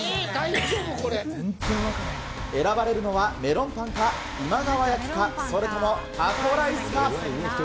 選ばれるのはメロンパンか、今川焼きか、それとも、タコライスか。